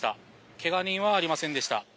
怪我人はありませんでした。